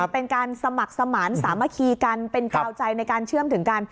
เป็นการสมัครสมานสามัคคีกันเป็นกาวใจในการเชื่อมถึงกัน